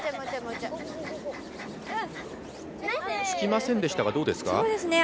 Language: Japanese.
つきませんでしたが、どうですか？